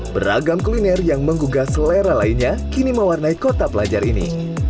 beragam kuliner yang menggugah selera lainnya kini mewarnai kota pelajar ini